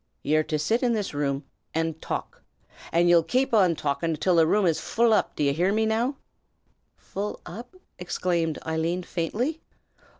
Ye are to sit in this room and talk; and ye'll kape an talkin' till the room is full up! d'ye hear me, now?" "Full up?" exclaimed Eileen, faintly.